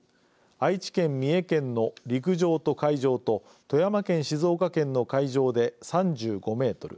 愛知県、三重県の陸上と海上と富山県、静岡県の海上で３５メートル